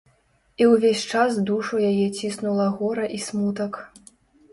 І ўвесь час душу яе ціснула гора і смутак.